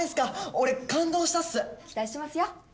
俺感動したっす期待してますよ